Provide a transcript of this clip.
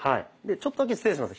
ちょっとだけ失礼します。